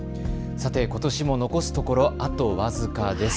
さて、ことしも残すところあと僅かです。